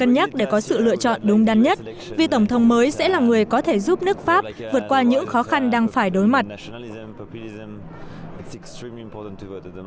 nhắc để có sự lựa chọn đúng đắn nhất vì tổng thống mới sẽ là người có thể giúp nước pháp vượt qua những khó khăn đang phải đối mặt